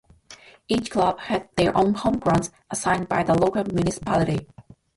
Each club had their own home grounds assigned by the local municipality.